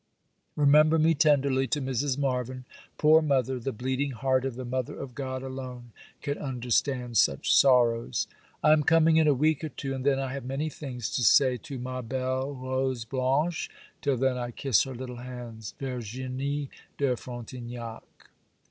'Remember me tenderly to Mrs. Marvyn. Poor mother! the bleeding heart of the Mother of God alone can understand such sorrows. 'I am coming in a week or two, and then I have many things to say to ma belle rose blanche; till then I kiss her little hands. 'VERGINIE DE FRONTIGNAC.